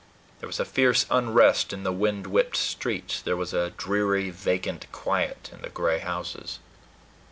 There was a fierce unrest in the wind whipped streets: there was a dreary vacant quiet in the gray houses.